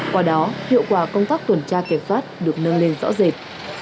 qua đó hiệu quả công tác tuần tra kiểm soát được nâng lên rõ rệt